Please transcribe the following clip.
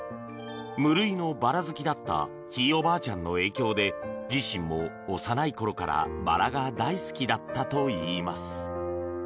無類のバラ好きだったひいおばあちゃんの影響で自身も幼い頃からバラが大好きだったといいます。